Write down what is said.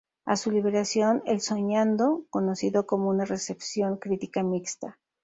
A su liberación, "El Soñando" conocido con una recepción crítica mixta.